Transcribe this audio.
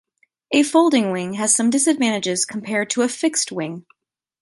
A folding wing has some disadvantages compared to a fixed wing.